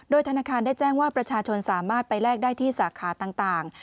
ธนาคารได้แจ้งว่าประชาชนสามารถไปแลกได้ที่สาขาต่าง